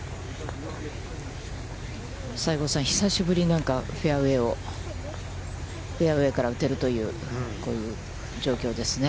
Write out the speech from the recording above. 西郷さん、久しぶりにフェアウェイから、打てるという、こういう状況ですね。